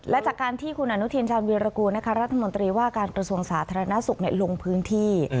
และจากการที่คุณอนุทินชาญวิรากูลรัฐมนตรีว่าการกระทรวงสาธารณสุขลงพื้นที่